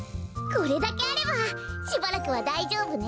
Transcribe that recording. これだけあればしばらくはだいじょうぶね。